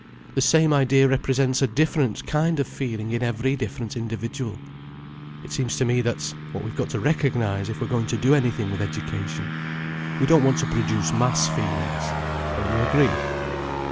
The same idea represents a different kind of feeling in every different individual. It seems to me that's what we've got to recognize if we're going to do anything with education. We don't want to produce mass feelings. Don't you agree?"